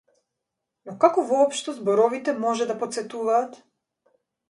Но како воопшто зборовите може да потсетуваат?